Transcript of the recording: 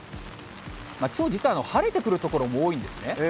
きょう、実は晴れてくる所も多いんですね。